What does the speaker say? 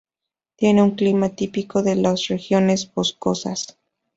Tiene un clima típico de las regiones boscosas.